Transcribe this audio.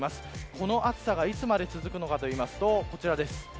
この暑さがいつまで続くのかというと、こちらです。